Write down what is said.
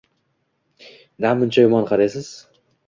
Namuncha yomon qaraysiz